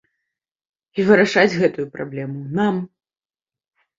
І вырашаць гэтую праблему нам!